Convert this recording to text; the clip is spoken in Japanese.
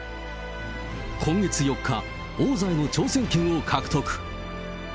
今月４日、王座への挑戦権を獲得。